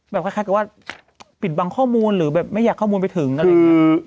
คล้ายกับว่าปิดบังข้อมูลหรือแบบไม่อยากข้อมูลไปถึงอะไรอย่างนี้